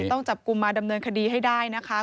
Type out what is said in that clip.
ต้องจับกลุ่มมาดำเนินคดีให้ได้นะคะ